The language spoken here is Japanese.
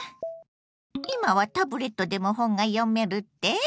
今はタブレットでも本が読めるって？